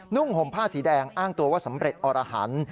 ห่มผ้าสีแดงอ้างตัวว่าสำเร็จอรหันต์